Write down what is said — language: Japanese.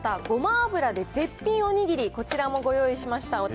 ごま油で絶品お握り、こちらもご用意しました。